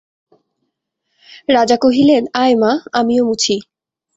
রাজা কহিলেন, আয় মা, আমিও মুছি।